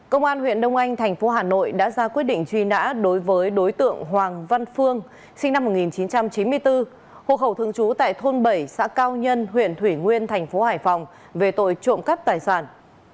công an huyện đông anh thành phố hà nội đã ra quyết định truy nã đối với đối tượng hoàng văn phương sinh năm một nghìn chín trăm chín mươi bốn hộ khẩu thương chú tại thôn bảy xã cao nhân huyện thủy nguyên thành phố hải phòng về tội trộm cắp tài sản